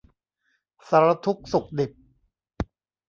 สารทุกข์สุขดิบ